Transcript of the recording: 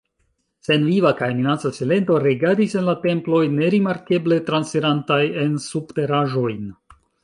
Senviva kaj minaca silento regadis en la temploj, nerimarkeble transirantaj en subteraĵojn.